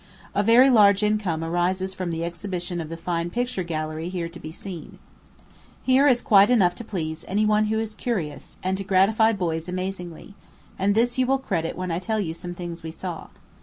A very large income arises from the exhibition of the fine picture gallery here to be seen. Here is quite enough to please any one who is curious, and to gratify boys amazingly; and this you will credit when I tell you some things that we saw.